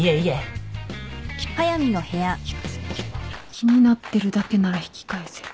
気になってるだけなら引き返せる。